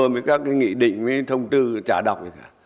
với các cái nghị định với thông tư trả đọc